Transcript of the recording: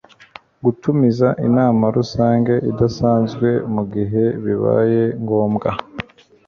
gutumiza inama rusange idasanzwe mu gihe bibaye ngombwa